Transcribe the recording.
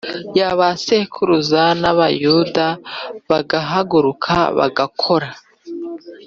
yabasekuruza nabayuda bahaguruka bagakora